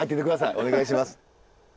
お願いします。